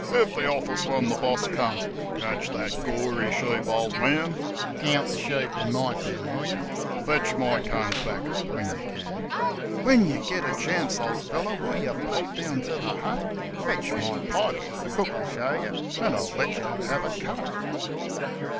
1 Give the office when the boss comes.' ' Catch that gory sheep, old man.' ' Count the sheep in my pen, will yer 1 '' Fetch my combs back when yer can.' ( When yer get a chance, old feller, will yer pop down to the hut ? 'Fetch my pipe the cook '11 show yer and I'll let yer have a cut.'